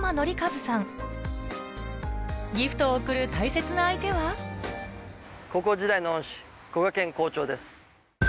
ギフトを贈る大切な相手は高校時代の恩師・古賀賢校長です。